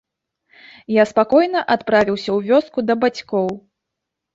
Я спакойна адправіўся ў вёску да бацькоў.